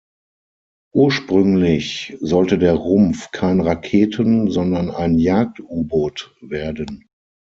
Ursprünglich sollte der Rumpf kein Raketen-, sondern ein Jagd-U-Boot werden.